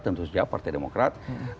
tentu saja partai demokrat